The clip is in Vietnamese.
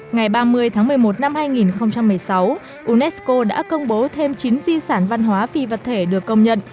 ngày ba mươi tháng một mươi một năm hai nghìn một mươi sáu unesco đã công bố thêm chín di sản văn hóa phi vật thể được công nhận